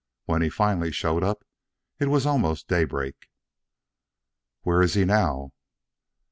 When he finally showed up, it was almost daybreak. "Where is he now?"